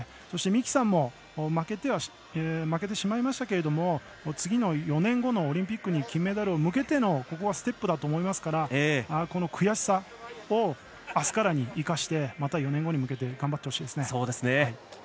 そして、三木さんは負けてしまいましたけれども次の４年後のオリンピック金メダルに向けてのここはステップだと思いますからこの悔しさをあすからに生かしてまた４年後に向けて頑張ってほしいですね。